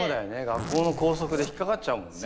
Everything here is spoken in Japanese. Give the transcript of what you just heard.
学校の校則で引っかかっちゃうもんね。